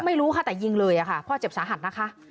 ไม่รู้ค่ะแต่ยิงเลยค่ะพ่อเจ็บสาหัสนะคะ